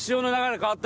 変わった！